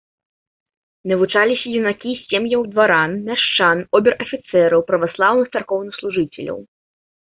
Навучаліся юнакі з сем'яў дваран, мяшчан, обер-афіцэраў, праваслаўных царкоўнаслужыцеляў.